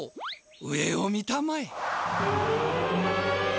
上を見たまえ。